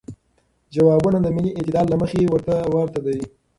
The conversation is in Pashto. جوابونه د ملی اعتدال له مخې ورته دی.